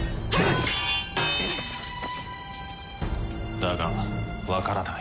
だがわからない。